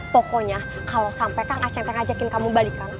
pokoknya kalau sampai kak ngaceng teh ajakin kamu balikan